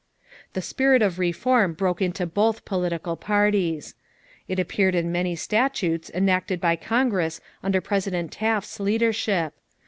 The spirit of reform broke into both political parties. It appeared in many statutes enacted by Congress under President Taft's leadership.